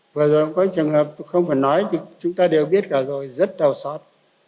vừa rồi có trường hợp không phải nói thì chúng ta đều biết cả rồi rất đau xót